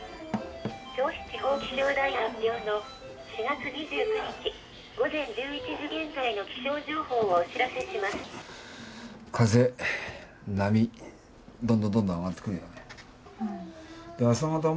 銚子地方気象台発表の４月２９日午前１１時現在の気象情報をお知らせします。